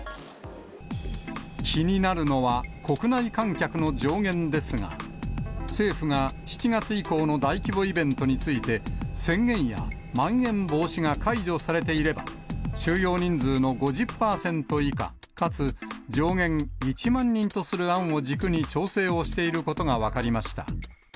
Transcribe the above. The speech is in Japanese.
気になるのは、国内観客の上限ですが、政府が７月以降の大規模イベントについて、宣言やまん延防止が解除されていれば、収容人数の５０％以下かつ上限１万人とする案を軸に、調整をしていることが分かりました。